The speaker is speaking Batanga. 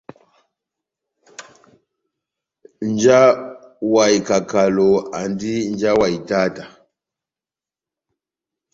Nja wa ikakalo, andi nja wa itáta.